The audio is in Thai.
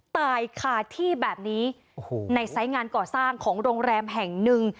ตายคาที่แบบนี้โอ้โหในไซส์งานก่อสร้างของโรงแรมแห่งหนึ่ง